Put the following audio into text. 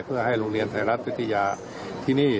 เพื่อให้โรงเรียนไทยรัฐวิทยาที่นี่